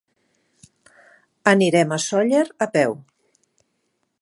Anirem a Sóller a peu.